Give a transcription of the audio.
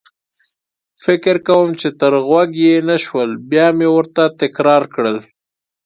فکر کوم چې تر غوږ يې نه شول، بیا مې ورته تکرار کړل.